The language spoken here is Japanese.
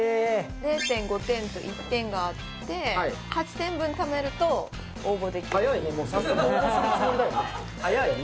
０．５点と１点があって８点分ためると応募できる早いね